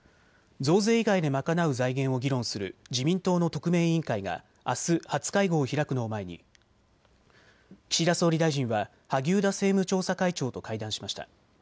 増税以外で賄う財源を議論する自民党の特命委員会があす初会合を開くのを前に岸田総理大臣は萩生田政務調査会長と会談しました。